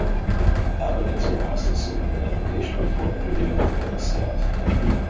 Applicants are asked to submit an application before interviewing with current staff.